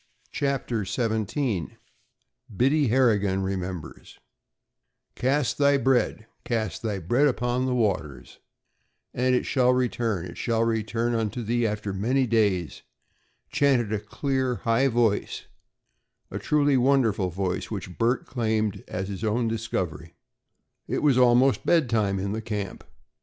CHAPTER XVII BIDDY HARRIGAN REMEMBERS "Cast thy bread cast thy bread upon the waters, "And it shall return it shall return unto thee after many days," chanted a clear, high voice, truly a wonderful voice, which Bert claimed as his own discovery. It was almost bed time in the camp.